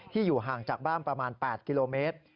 อยู่ห่างจากบ้านประมาณ๘กิโลเมตร